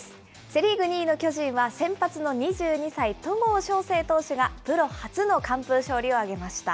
セ・リーグ２位の巨人は、先発の２２歳、戸郷翔征投手がプロ初の完封勝利を挙げました。